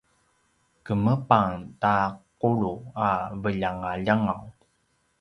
kemepang ta qulu a veljangaljangaw